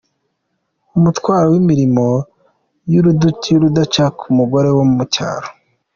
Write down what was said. Umutwaro w’imirimo y’urudaca ku mugore wo mu cyaro